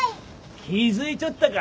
気付いちょったか。